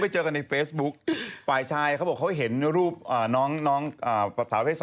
แล้วฉันก็ต้องฝึกกลายเป็นตัว